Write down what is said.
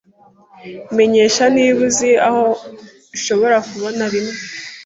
Menyesha niba uzi aho ushobora kubona bimwe.